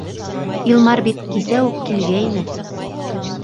Илмар бит кисә үк килгәйне.